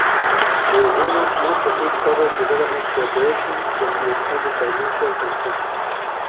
The agreement, most of which covers development cooperation, can be extended by mutual consent.